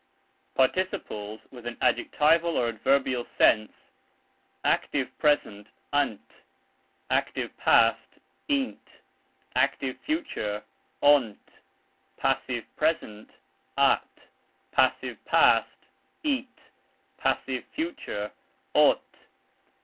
Participles (with an adjectival or adverbial sense): active present " ant;" active past " int;" active future " ont;" passive present " at;" passive past " it;" passive future " ot."